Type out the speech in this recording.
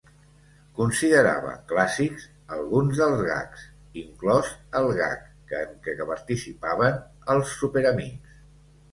Considerava "clàssics" alguns dels gags, inclòs el gag que en què participaven els Superamics.